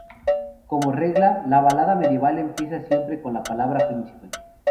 Como regla, la balada medieval empieza siempre con la palabra Príncipe.